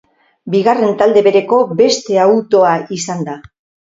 Bigarren talde bereko beste autoa izan da.